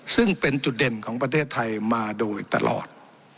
ซึ่งเป็นจุดเด่นของประเทศไทยมาโดยตลอด